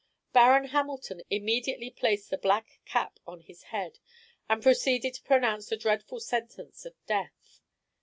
Baron Hamilton immediately placed the black cap on his head, and proceeded to pronounce the dreadful sentence of death.